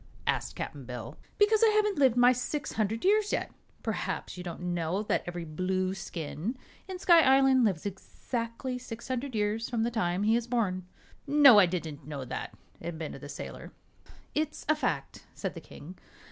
asked Cap'n Bill. "Because I haven't lived my six hundred years yet. Perhaps you don't know that every Blueskin in Sky Island lives exactly six hundred years from the time he is born." "No; I didn't know that," admitted the sailor. "It's a fact," said the King.